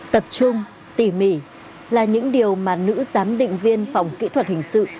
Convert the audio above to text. tập trung tỉ mỉ là những điều mà nữ giám định viên phòng kỹ thuật hình sự